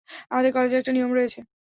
আমাদের কলেজের একটা নিয়ম রয়েছে।